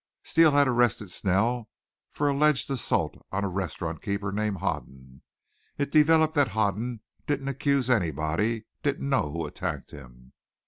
"Steele had arrested Snell for alleged assault on a restaurant keeper named Hoden. It developed that Hoden didn't accuse anybody, didn't know who attacked him.